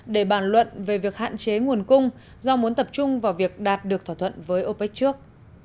để bàn luận về việc hạn chế nguồn cung do muốn tập trung vào việc đạt được thỏa thuận với opec trước